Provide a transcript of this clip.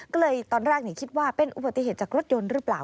ก็เลยตอนแรกคิดว่าเป็นอุบัติเหตุจากรถยนต์หรือเปล่า